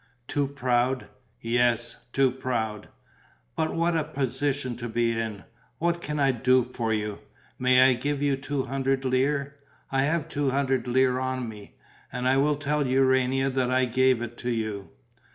"Too proud?" "Yes, too proud." "But what a position to be in! What can I do for you? May I give you two hundred lire? I have two hundred lire on me. And I will tell Urania that I gave it to you."